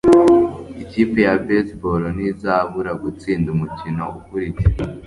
ikipe ya baseball ntizabura gutsinda umukino ukurikira